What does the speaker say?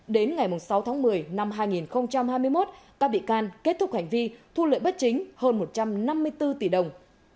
đến ngày sáu tháng một mươi năm hai nghìn hai mươi một các bị can kết thúc hành vi thu lợi bất chính hơn một trăm năm mươi bốn tỷ đồng